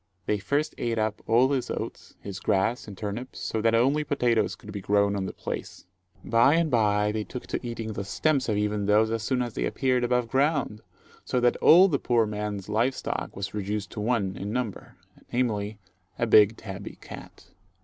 They first ate up all his oats, his grass, and turnips, so that only potatoes could be grown on the place. By and by they took to eating the stems of even those as soon as they appeared above ground, so that all the poor man's live stock was reduced to one in number, namely, a big tabby cat.